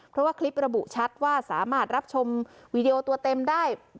เพราะว่าคลิประบุชัดว่าสามารถรับชมวีดีโอตัวเต็มได้